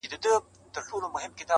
کله غل کله مُلا سي کله شیخ کله بلا سي.!